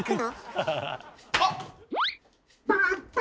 あっ！